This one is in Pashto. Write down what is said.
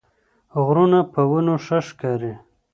غرونه په ونو ښه ښکاري